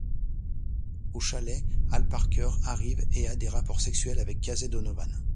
Au chalet, Al Parker arrive et a des rapports sexuels avec Casey Donovan.